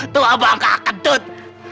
tua bangka kentut